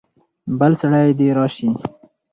بل سړی دې راسي.